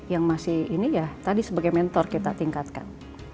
yang masih ini ya tadi sebagai mentor kita tingkatkan